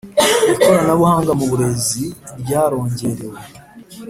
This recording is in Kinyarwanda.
ikoranabuhanga mu burezi ryarongerewe